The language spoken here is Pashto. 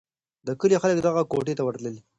د کلي خلک دغه کوټې ته ورتلل.